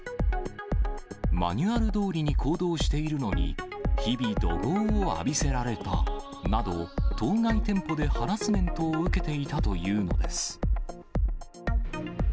マニュアルどおりに行動しているのに、日々怒号を浴びせられたなど、当該店舗でハラスメントを受けていたというのです。